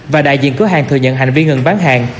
và đại diện cửa hàng thừa nhận hành vi ngừng bán hàng